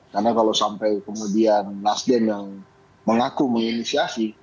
karena kalau sampai kemudian nasda yang mengaku menginisiasi